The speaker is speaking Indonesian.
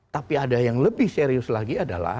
tapi ada yang lebih serius lagi adalah